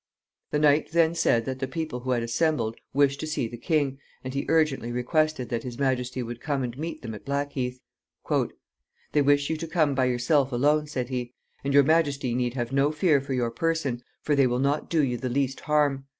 The knight then said that the people who had assembled wished to see the king, and he urgently requested that his majesty would come and meet them at Blackheath. "They wish you to come by yourself alone," said he. "And your majesty need have no fear for your person, for they will not do you the least harm.